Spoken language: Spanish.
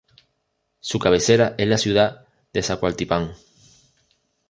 Su cabecera es la ciudad de Zacualtipán.